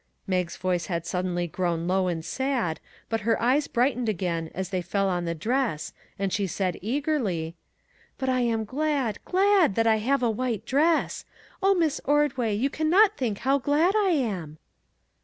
Mag's voice had suddenly grown low and sad, but her eyes brightened again as they fell on the dress, and she said eagerly :" But I am glad, glad, that I have a white dress. Oh, Miss Ordway, you can not think how glad I am!"